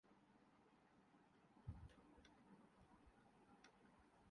براہِ مہربانی میری مدد کیجیے